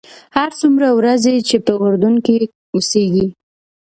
هر څومره ورځې چې په اردن کې اوسېږې.